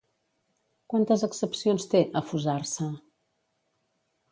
Quantes accepcions té “afusar-se”?